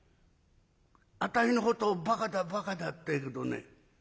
あたいのことをバカだバカだって言うけどね